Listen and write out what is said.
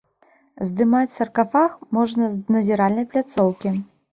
Здымаць саркафаг можна з назіральнай пляцоўкі.